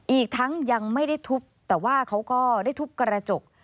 อีกทั้งยังไม่ได้ทุบแต่ว่าเขาก็ได้ทุบกระจก